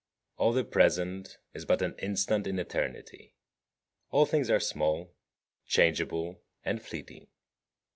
All the present is but an instant in eternity. All things are small, changeable, and fleeting.